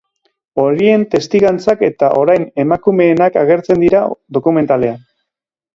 Horien testigantzak eta oraingo emakumeenak agertzen dira dokumentalean.